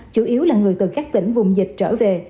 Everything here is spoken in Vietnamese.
chủ yếu là người từ các tỉnh vùng dịch trở về